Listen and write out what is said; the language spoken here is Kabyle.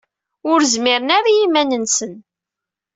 Ur zmiren ara i yiman-nsen.